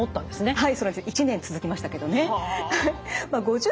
はい。